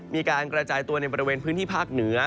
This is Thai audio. มีการกระจายตัวในบริเวณพื้นที่ภาคเหนือ